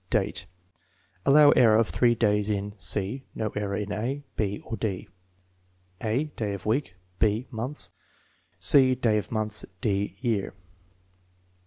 Date. (Allow error of 3 days in c, no error in a, b, or d.) (a) day of week; (b) month; (c) day of month; (d) year.